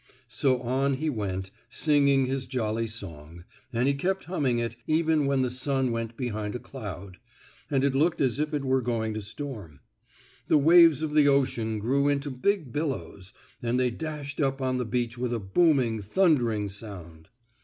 So on he went, singing his jolly song, and he kept humming it, even when the sun went behind a cloud, and it looked as if it were going to storm. The waves of the ocean grew into big billows, and they dashed up on the beach with a booming, thundering sound.